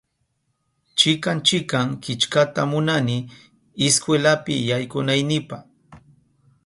Chikan chikan killkata munani iskwelapi yaykunaynipa